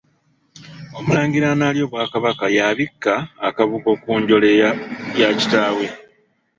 Omulangira analya Obwakabaka y’abikka akabugo ku njole ya kitaawe.